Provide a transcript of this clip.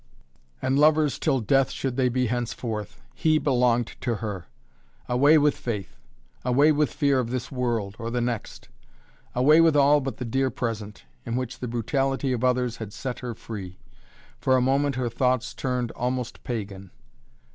And lovers till death should they be henceforth. He belonged to her. Away with faith away with fear of this world, or the next. Away with all but the dear present, in which the brutality of others had set her free. For a moment her thoughts turned almost pagan.